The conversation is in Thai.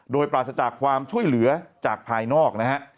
โดยปราศจากความช่วยเหลือจากภายนอกนะฮะ